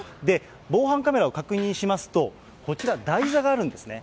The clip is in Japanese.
防犯カメラを確認しますと、こちら、台座があるんですね。